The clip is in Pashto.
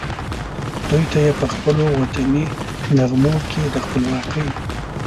دوی ته یې پخپلو وطني نغمو کې د خپلواکۍ